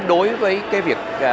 đối với việc